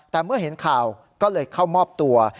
แต่เมื่อเห็นข่าวก็เลยเข้ามอบตัว